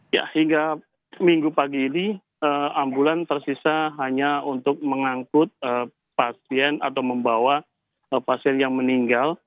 ya hingga minggu pagi ini ambulan tersisa hanya untuk mengangkut pasien atau membawa pasien yang meninggal